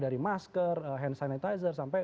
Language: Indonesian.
dari masker hand sanitizer sampai